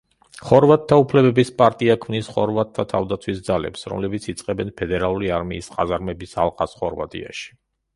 ხორვატთა უფლებების პარტია ქმნის ხორვატთა თავდაცვის ძალებს, რომლებიც იწყებენ ფედერალური არმიის ყაზარმების ალყას ხორვატიაში.